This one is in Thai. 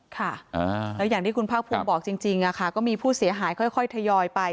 ค่ะแล้วอย่างที่คุณภาคภูมิบอกจริงก็มีผู้เสียหายค่อยทยอยไป